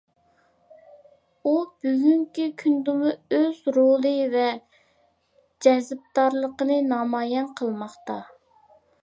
ئۇ بۈگۈنكى كۈندىمۇ ئۆز رولى ۋە جەزبىدارلىقىنى نامايان قىلماقتا.